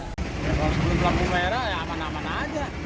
kalau sebelum lampu merah ya aman aman aja